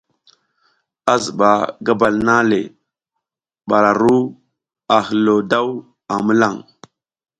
A ziba gabal nang le bara a ru a hilo daw a milan.